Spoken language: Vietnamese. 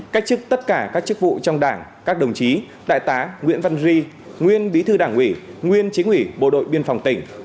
cách chức tất cả các chức vụ trong đảng các đồng chí đại tá nguyễn văn duy nguyên bí thư đảng ủy nguyên chính ủy bộ đội biên phòng tỉnh